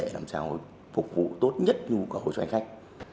làm sao phục vụ tốt nhất nhu cầu cho hành khách